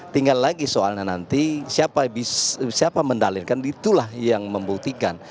tinggal lagi soalnya nanti siapa mendalilkan itulah yang membuktikan